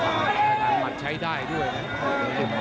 หลังมัดใช้ได้ด้วยนะ